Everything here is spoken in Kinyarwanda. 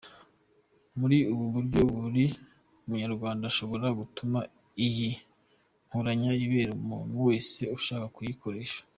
Muri ubu buryo buri Munyarwanda ashobora gutuma iyi nkoranya ibera umuntu wese ushaka kuyikoresha.